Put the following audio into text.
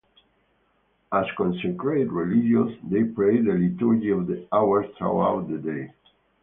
As consecrated religious, they pray the Liturgy of the Hours throughout the day.